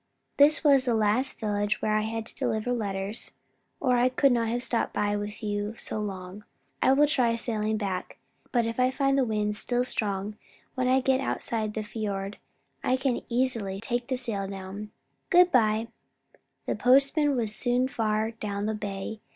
This was the last village where I had to deliver letters or I could not have stopped with you so long. I will try sailing back, but if I find the wind still strong when I get outside the fiord, I can easily take the sail down. Good bye." The postman was soon far down the bay.